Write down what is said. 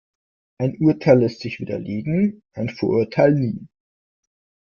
Ein Urteil lässt sich widerlegen, ein Vorurteil nie.